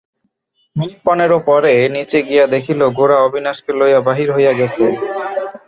Minute পনেরো পরে নীচে গিয়া দেখিল গোরা অবিনাশকে লইয়া বাহির হইয়া গেছে।